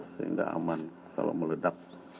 sehingga aman kalau meledak